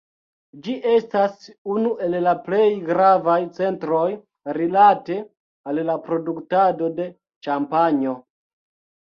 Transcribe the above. Ĝi estas unu el la plej gravaj centroj rilate al la produktado de ĉampanjo.